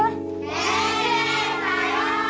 先生さようなら！